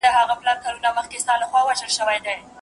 د يعقوب عليه السلام ګران زوی ئې په ژوندوني ځني ورک کړ.